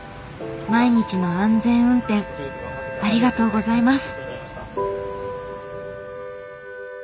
毎日の安全運転ありがとうございます。